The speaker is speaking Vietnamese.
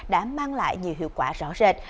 đã mang lại nhiều hiệu quả rõ rệt